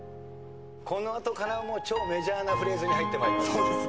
この後からはもう超メジャーなフレーズに入ってまいります。